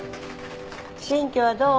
新居はどう？